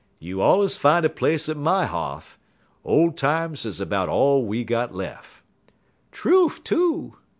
"You allers fine a place at my h'a'th. Ole times is about all we got lef'." "Trufe, too!"